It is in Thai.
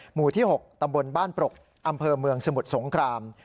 หมู่ที่๖ตำบลบ้านปรกอำเภอเมืองสมุทรสงคราม